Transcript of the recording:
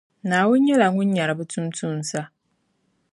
Naawuni nyɛla Ŋun nyara bɛ tuuntumsa.